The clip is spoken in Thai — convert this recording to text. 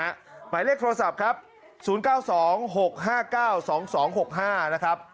หมายเลขโทรศัพท์ครับ๐๙๒๖๕๙๒๒๖๕นะครับ